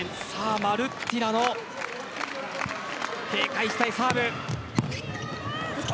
マルッティラの警戒したいサーブ。